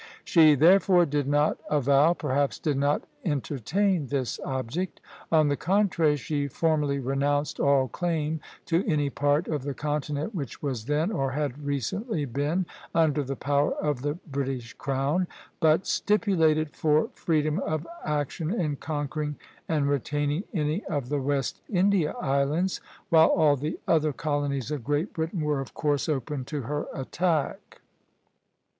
She therefore did not avow, perhaps did not entertain, this object. On the contrary, she formally renounced all claim to any part of the continent which was then, or had recently been, under the power of the British crown, but stipulated for freedom of action in conquering and retaining any of the West India Islands, while all the other colonies of Great Britain were, of course, open to her attack.